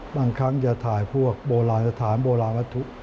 บางครั้งจะถ่ายพวกโบราณสถานโบราณวัตถุ